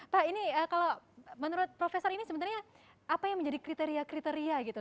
pak ini kalau menurut profesor ini sebenarnya apa yang menjadi kriteria kriteria gitu